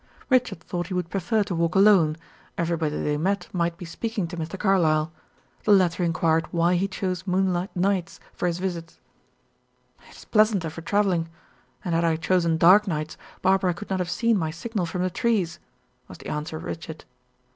Richard thought he would prefer to walk alone; everybody they met might be speaking to Mr. Carlyle. The latter inquired why he chose moonlight nights for his visits. "It is pleasanter for travelling. And had I chosen dark nights, Barbara could not have seen my signal from the trees," was the answer of Richard.